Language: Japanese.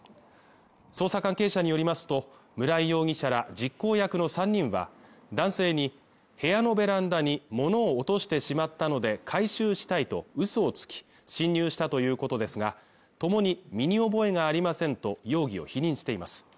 捜査関係者によりますと村井容疑者ら実行役の３人は男性に部屋のベランダに物を落としてしまったので回収したいと嘘をつき侵入したということですがともに身に覚えがありませんと容疑を否認しています